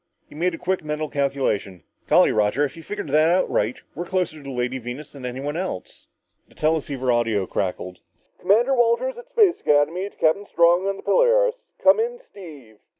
He made a quick mental calculation. "Golly, Roger if you've figured it right, we're closer to the Lady Venus than anyone else!" The teleceiver audio crackled. "Commander Walters at Space Academy to Captain Strong on the Polaris. Come in, Steve!"